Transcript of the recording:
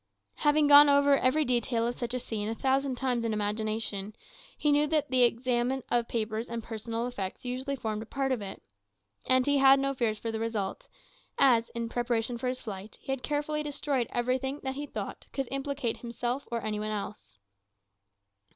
Having gone over every detail of such a scene a thousand times in imagination, he knew that the examination of papers and personal effects usually formed a part of it. And he had no fears for the result, as, in preparation for his flight, he had carefully destroyed everything that he thought could implicate himself or any one else.